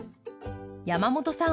山本さん